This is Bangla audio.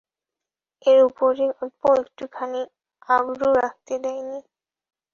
এর উপরে অল্প একটুখানিও আবরু রাখতে দেয় নি!